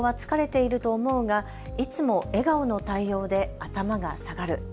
本当は疲れていると思うがいつも笑顔の対応で頭が下がる。